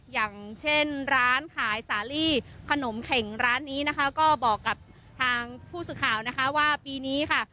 อย่างเช่นร้านขายสาลีขนมเข็งร้านนี้นะคะก็บอกกับทางผู้สื่อข่าวนะคะว่าปีนี้ค่ะ